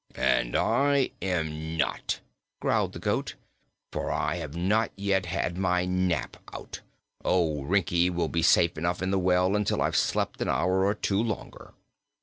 "And I am not," growled the goat, "for I have not yet had my nap out. Old Rinki will be safe enough in the well until I've slept an hour or two longer."